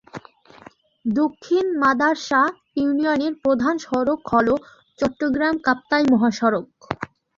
দক্ষিণ মাদার্শা ইউনিয়নের প্রধান সড়ক হল চট্টগ্রাম-কাপ্তাই মহাসড়ক।